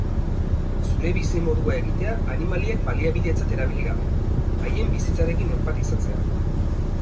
Zure bizimodua egitea animaliak baliabidetzat erabili gabe, haien bizitzarekin enpatizatzea.